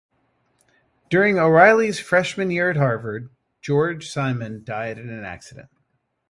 During O'Reilly's freshman year at Harvard, George Simon died in an accident.